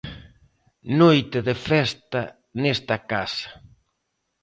Noite de festa nesta casa.